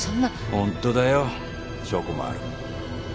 ほんとだよ証拠もある。